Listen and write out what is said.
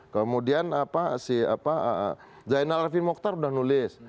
kemudian si zainal arvin mokhtar udah nulis